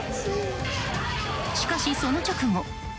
しかし、その直後。